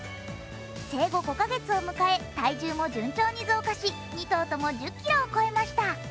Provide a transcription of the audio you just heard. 生後５カ月を迎え体重も順調に増加し２頭とも１０ｋｇを超えました。